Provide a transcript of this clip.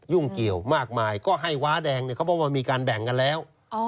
เกี่ยวมากมายก็ให้ว้าแดงเนี่ยเขาบอกว่ามีการแบ่งกันแล้ว